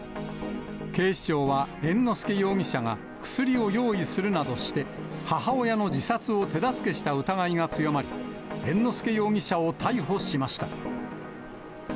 警視庁は猿之助容疑者が薬を用意するなどして、母親の自殺を手助けした疑いが強まり、猿之助容疑者を逮捕しました。